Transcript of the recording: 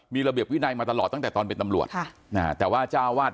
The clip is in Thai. มีระเบียบวินัยมาตลอดตั้งแต่ตอนเป็นตำรวจค่ะอ่าแต่ว่าเจ้าวาด